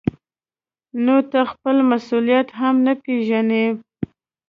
نو ته خپل مسؤلیت هم نه پېژنې.